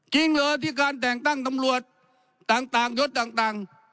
จริงเหรอที่การแต่งตั้งตำรวจต่างยศต่าง